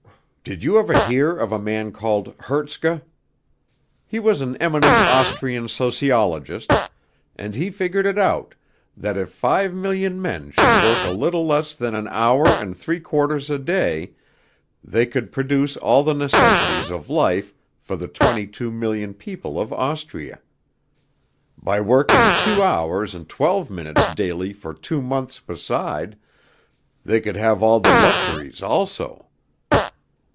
"Did you ever hear of a man called Hertzka? He was an eminent Austrian sociologist, and he figured it out, that if five million men should work a little less than an hour and three quarters a day they could produce all the necessities of life for the twenty two million people of Austria. By working two hours and twelve minutes daily for two months beside, they could have all the luxuries also.